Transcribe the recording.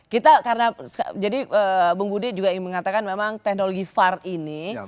kita karena jadi bung budi juga ingin mengatakan memang teknologi var ini